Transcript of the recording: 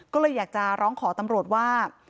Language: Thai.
ก็เลยอยากจะร้องขอตำรวจว่า